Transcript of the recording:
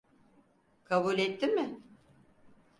Kabul etti mi?